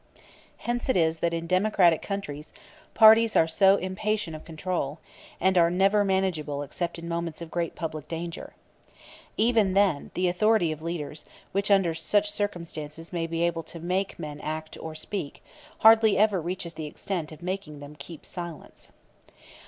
Hence it is that in democratic countries parties are so impatient of control, and are never manageable except in moments of great public danger. Even then, the authority of leaders, which under such circumstances may be able to make men act or speak, hardly ever reaches the extent of making them keep silence.